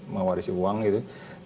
mewaris uang gitu